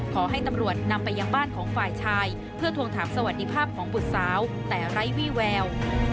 ขอให้ตำรวจนำไปยังบ้านของฝ่ายชายเพื่อทวงถามสวัสดิภาพของบุตรสาวแต่ไร้วี่แวว